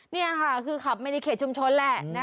เนี่ยค่ะคือขับไม่ได้เขตชุมชนแหละ